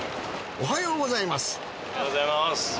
おはようございます。